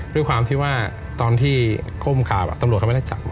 ด้วยความที่ว่าตอนที่ก้มกราบตำรวจเขาไม่ได้จับ